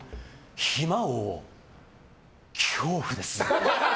暇王恐怖です。